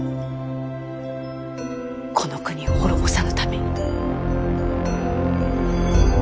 この国を滅ぼさぬために。